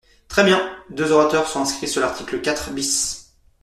Très bien ! Deux orateurs sont inscrits sur l’article quatre bis.